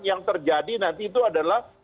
yang terjadi nanti itu adalah